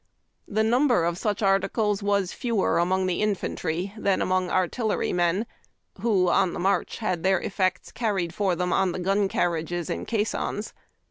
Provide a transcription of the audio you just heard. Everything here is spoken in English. The number of such articles was fewer among infantry than among artillerymen, who, on the march, had their effects carried for them on the gun carriages and caissons.